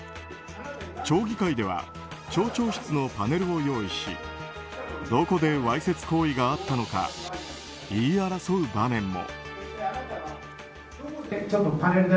町議会では町長室のパネルを用意しどこでわいせつ行為があったのか言い争う場面も。